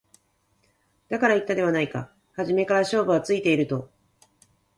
だから言ったではないか初めから勝負はついていると